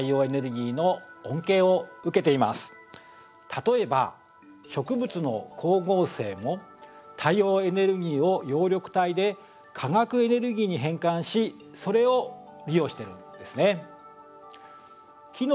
例えば植物の光合成も太陽エネルギーを葉緑体で化学エネルギーに変換しそれを利用しているんですね。